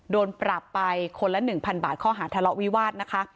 โดนประปไปคนละหนึ่งพันบาทข้อหาธลอกวิวาสนะคะ